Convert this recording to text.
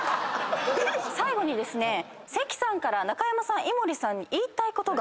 最後にですね関さんから中山さん井森さんに言いたいことがあるそうなんです。